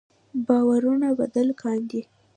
باورونه بدل کاندي.